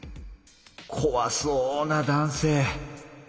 こわそうな男性。